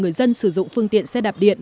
người dân sử dụng phương tiện xe đạp điện